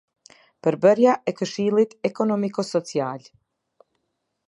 Përbërja e Këshillit Ekonomiko-Social.